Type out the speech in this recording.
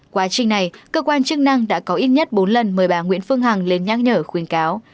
quá trình này cơ quan chức năng đã có ít nhất bốn lần mời bà nguyễn phương hằng lên nhắc nhở khuyến cáo